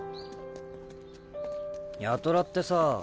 八虎ってさ